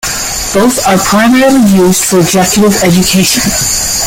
Both are primarily used for executive education.